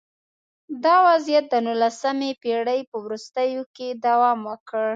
دا وضعیت د نولسمې پېړۍ په وروستیو کې دوام وکړ